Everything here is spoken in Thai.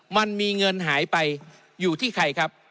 มันมีเงินหายไปอยู่ที่ใครครับ